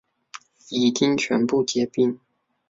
已经全部结冰